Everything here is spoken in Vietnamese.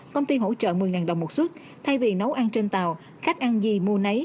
công ty hỗ trợ một mươi đồng một xuất thay vì nấu ăn trên tàu khách ăn gì mua nấy